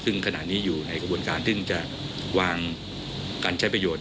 ซึ่งขณะนี้อยู่ในกระบวนการซึ่งจะวางการใช้ประโยชน